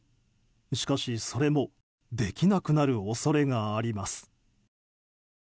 しかし、それもできなくなる恐れがあります。